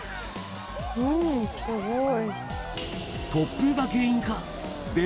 うんすごい。